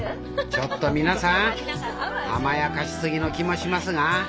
ちょっと皆さん甘やかしすぎの気もしますが？